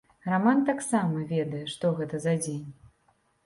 Раман таксама ведае, што гэта за дзень.